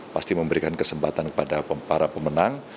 pasti memberikan kesempatan kepada para pemenang